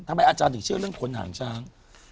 อาจารย์ถึงเชื่อเรื่องขนหางช้าง